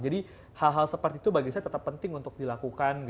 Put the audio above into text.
hal hal seperti itu bagi saya tetap penting untuk dilakukan